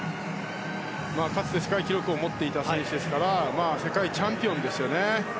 かつて世界記録を持っていた選手ですから世界チャンピオンですよね。